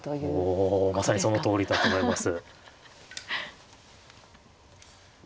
おおまさにそのとおりだと思います。